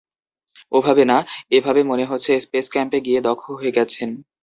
ওভাবে না, এভাবে মনে হচ্ছে, স্পেস ক্যাম্পে গিয়ে দক্ষ হয়ে গেছেন।